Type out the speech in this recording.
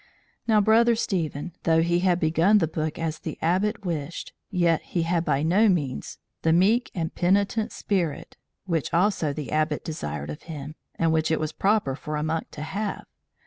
Now Brother Stephen, though he had begun the book as the Abbot wished, yet he had by no means the meek and penitent spirit which also the Abbot desired of him, and which it was proper for a monk to have.